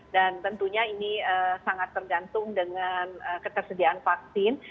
dan tentunya ini sangat tergantung dengan ketersediaan vaksin